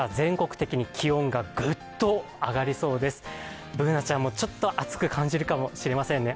Ｂｏｏｎａちゃんもちょっと暑く感じるかもしれませんね。